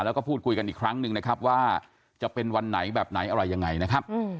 แล้วก็พูดคุยกันอีกครั้งหนึ่งนะครับว่าจะเป็นวันไหนแบบไหนอะไรยังไงนะครับ